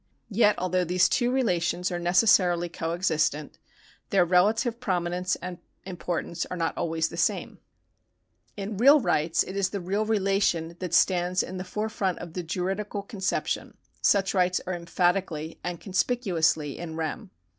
Yet although these two relations are necessarily co existent, their relative pro minence and importance are not always the same. In real 206 THE KINDS OF LEGAL RIGHTS [§ 81 rights it is the real relation that stands in the forefront of the juridical conception ; such rights are emphatically and conspicuously in rem.